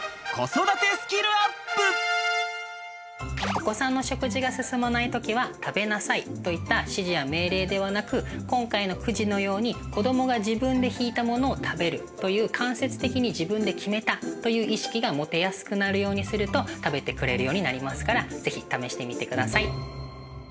お子さんの食事が進まない時は「食べなさい」といった指示や命令ではなく今回のくじのように子どもが自分で引いたものを食べるという間接的に自分で決めたという意識が持てやすくなるようにすると食べてくれるようになりますから是非試してみてください。